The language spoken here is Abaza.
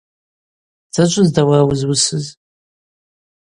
Дзачӏвызда уара уызуысыз.